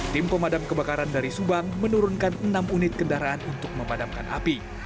tim pemadam kebakaran dari subang menurunkan enam unit kendaraan untuk memadamkan api